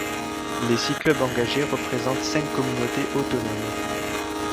Les six clubs engagés représentent cinq communautés autonomes.